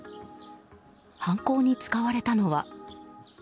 犯行に使われたのは。